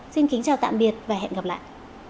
xin kính chào tạm biệt và hẹn gặp lại